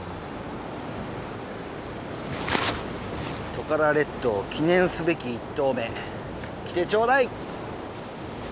トカラ列島記念すべき１投目来てちょうだい！